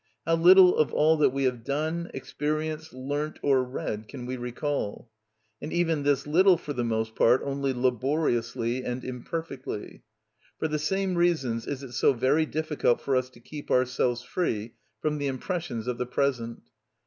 How little of all that we have done, experienced, learnt, or read, can we recall! And even this little for the most part only laboriously and imperfectly. For the same reasons is it so very difficult for us to keep ourselves free from the impressions of the present.